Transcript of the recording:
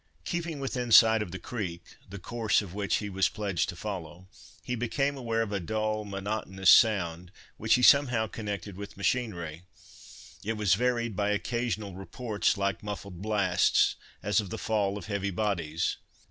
Keeping within sight of the creek—the course of which he was pledged to follow—he became aware of a dull monotonous sound, which he somehow connected with machinery. It was varied by occasional reports like muffled blasts, as of the fall of heavy bodies.